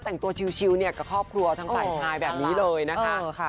แต่งตัวชิลกับครอบครัวทั้งฝ่ายชายแบบนี้เลยนะคะ